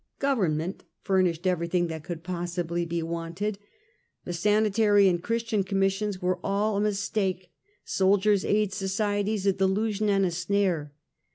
Government furnished everything that could possibly be wanted. The Sani tary and Christian Commissions were all a mistake; Soldiers' Aid Societies a delusion and a snare.